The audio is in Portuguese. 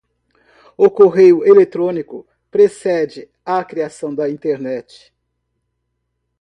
O correio eletrónico precede a criação da Internet.